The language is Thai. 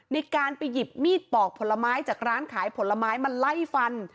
ในการไปหยิบมีดปอกผลไม้จากร้านขายผลไม้มาไล่ฟัน